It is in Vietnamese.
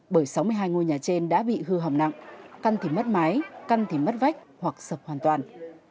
bởi sáu mươi hai ngôi nhà trên đã bị hư hỏng nặng căn thì mất mái căn thì mất vách hoặc sập hoàn toàn